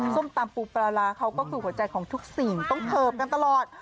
ส้มตำปูปลาร้าเขาก็คือหัวใจของทุกสิ่งต้องเทิบกันตลอด